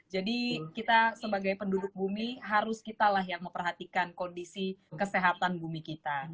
kita sebagai penduduk bumi harus kitalah yang memperhatikan kondisi kesehatan bumi kita